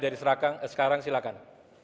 dari sekarang silahkan